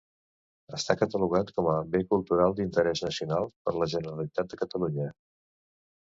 Està catalogat com a Bé Cultural d'Interès Nacional per la Generalitat de Catalunya.